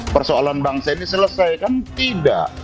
persoalan bangsa ini selesai kan tidak